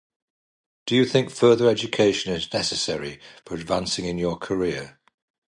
Do you think further education is necessary for advancing in your career?